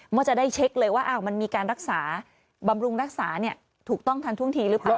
ว่าจะได้เช็คเลยว่ามันมีการรักษาบำรุงรักษาถูกต้องทันท่วงทีหรือเปล่า